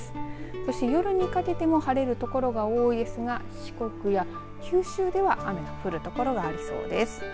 そして夜にかけても晴れるところが多いですが四国や九州では雨の降るところがありそうです。